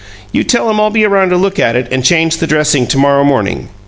You tell him I'll be around to look at it and change the dressing to morrow morning.